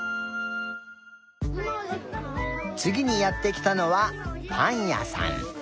つぎにやってきたのはパンやさん。